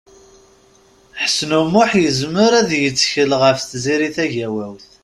Ḥsen U Muḥ yezmer ad yettkel ɣef Tiziri Tagawawt.